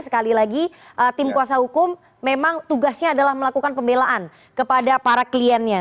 sekali lagi tim kuasa hukum memang tugasnya adalah melakukan pembelaan kepada para kliennya